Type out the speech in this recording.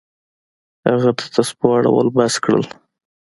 هغه د تسبو اړول بس کړل.